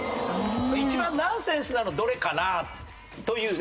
一番ナンセンスなのどれかな？というね。